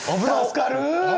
助かる！